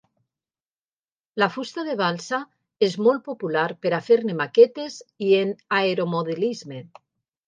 La fusta de balsa és molt popular per a fer-ne maquetes i en aeromodelisme.